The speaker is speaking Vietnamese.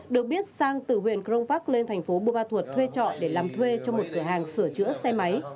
được biết sang từ huyện cronvac lên thành phố bùa ba thuột thuê trọ để làm thuê cho một cửa hàng sửa chữa xe máy